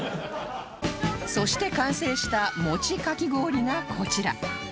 そして完成したもちかき氷がこちら